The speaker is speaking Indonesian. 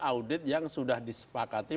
audit yang sudah disepakati